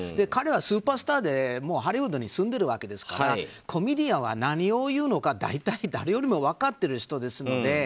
彼はスーパースターでハリウッドに住んでるわけですからコメディアンは何を言うのか大体誰よりも分かってる人ですから。